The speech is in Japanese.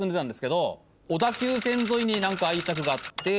小田急線沿いに何か愛着があって。